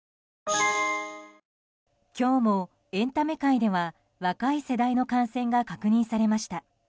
今日もエンタメ界では若い世代の感染が確認されました。